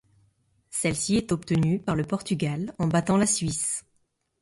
Celle-ci est obtenue par le Portugal en battant la Suisse.